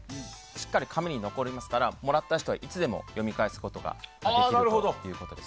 しっかり紙に残りますからもらった人はいつでも読み返すことができます。